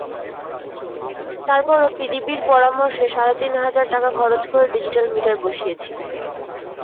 তারপরও পিডিবির পরামর্শে সাড়ে তিন হাজার টাকা খরচ করে ডিজিটাল মিটার বসিয়েছি।